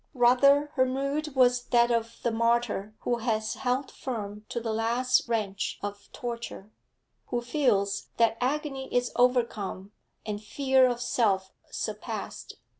Rather her mood was that of the martyr who has held firm to the last wrench of torture, who feels that agony is overcome and fear of self surpassed.